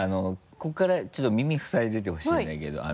ここからちょっと耳ふさいでてほしいんだけど。